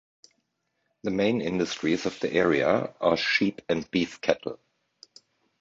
The main industries of the area are sheep and beef cattle.